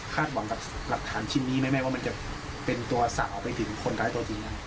หวังกับหลักฐานชิ้นนี้ไหมแม่ว่ามันจะเป็นตัวสั่งออกไปถึงคนร้ายตัวจริง